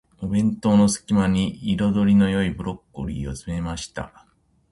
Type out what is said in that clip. お弁当の隙間に、彩りの良いブロッコリーを詰めました。